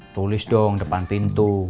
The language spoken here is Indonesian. tulis dong depan pintu